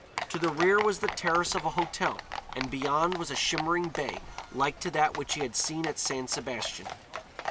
To the rear was the terrace of a hôtel, and beyond was a shimmering bay like to that which he had seen at San Sebastian.